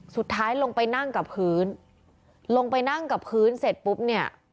สุดท้ายลงไปนั่งกับพื้นลงไปนั่งกับพื้นเสร็จปุ๊บเนี่ย